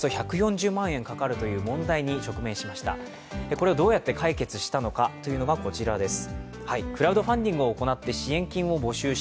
これをどうやって解決したのかというのがこちらです。